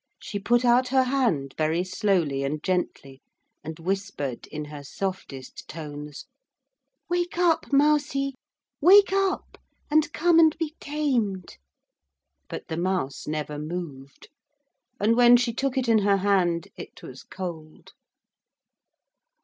She put out her hand very slowly and gently, and whispered in her softest tones, 'Wake up, Mousie, wake up, and come and be tamed.' But the mouse never moved. And when she took it in her hand it was cold.